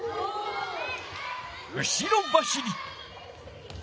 後ろ走り。